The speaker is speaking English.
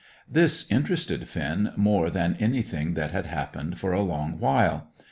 This interested Finn more than anything that had happened for a long while.